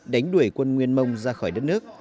đánh đuổi quân nguyên mông ra khỏi đất nước